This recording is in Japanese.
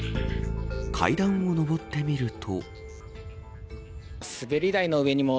階段を上ってみると。